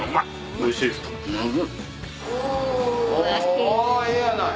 おぉええやない。